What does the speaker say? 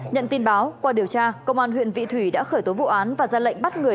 nhận tin báo qua điều tra công an huyện vị thủy đã khởi tố vụ án và ra lệnh bắt người